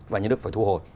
và nhà nước phải thu hồi